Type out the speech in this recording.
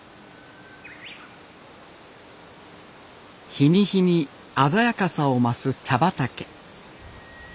日に日に鮮やかさを増す茶畑。